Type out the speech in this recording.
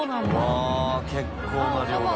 わっ結構な量だ。